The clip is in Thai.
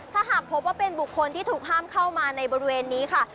ถ้าหากพบว่าเป็นบุคคลที่ถูกห้ามเข้ามาในบริเวณนี้ค่ะ